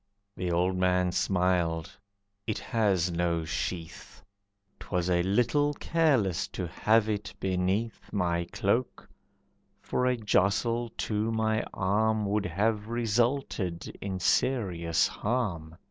The old man smiled, "It has no sheath, 'Twas a little careless to have it beneath My cloak, for a jostle to my arm Would have resulted in serious harm.